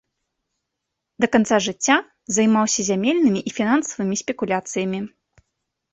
Да канца жыцця займаўся зямельнымі і фінансавымі спекуляцыямі.